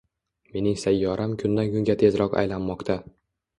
Mening sayyoram kundan kunga tezroq aylanmoqda